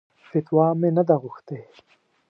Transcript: فتوا مې نه ده غوښتې.